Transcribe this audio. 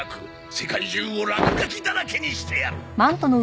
世界中を落書きだらけにしてやる！